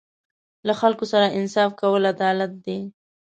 له خلکو سره انصاف کول عدالت دی.